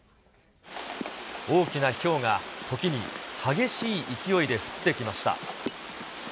大きなひょうが、時に激しい勢いで降ってきました。